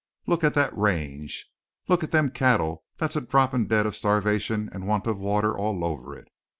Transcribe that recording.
Look at that range, look at them cattle that's droppin' dead of starvation and want of water all over it.